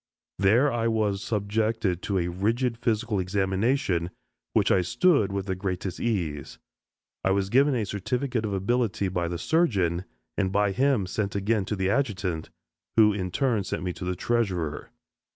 There I was subjected to a rigid physical examination, which I "stood" with the greatest ease. I was given a certificate of ability by the surgeon, and by him sent again to the adjutant, who in turn sent me to the treasurer.